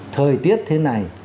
thời tiết thế này